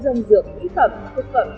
trong quản lý nhà nước